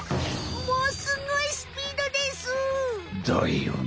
もうすごいスピードです！だよね。